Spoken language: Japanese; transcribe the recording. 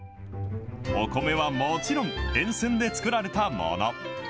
お米はもちろん沿線で作られたもの。